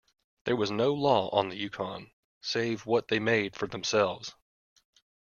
There was no law on the Yukon save what they made for themselves.